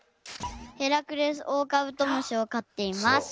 ヘラクレスオオカブトムシをかっています。